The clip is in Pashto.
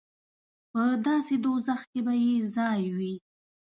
په داسې دوزخ کې به یې ځای وي.